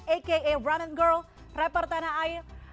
aka rumen girl rapper tanah air